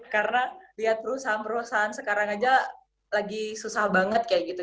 karena lihat perusahaan perusahaan sekarang aja lagi susah banget kayak gitu